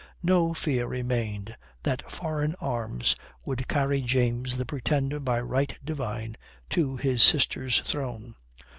No fear remained that foreign arms would carry James, the Pretender by right divine, to his sister's throne.